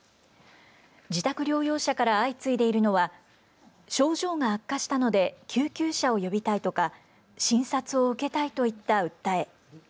自宅療養者から相次いでいるのは症状が悪化したので救急車を呼びたいとか診察を受けたいといった訴え。